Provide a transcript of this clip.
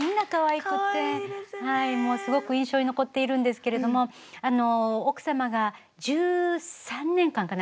すごく印象に残っているんですけれどもあの奥様が１３年間かな？